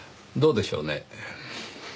どうでしょうね。